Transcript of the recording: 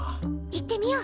行ってみよう！